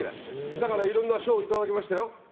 だからいろんな賞をいただきましたよ。